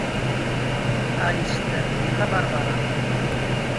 Alister yenɣa Barbara.